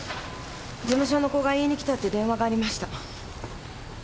事務所の子が言いに来たって電話がありました。